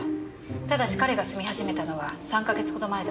ただし彼が住み始めたのは３か月ほど前だそうです。